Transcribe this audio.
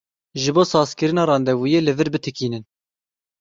Ji bo sazkirina randevûyê li vir bitikînin.